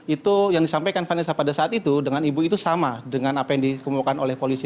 itu yang disampaikan vanessa pada saat itu dengan ibu itu sama dengan apa yang dikemukakan oleh polisi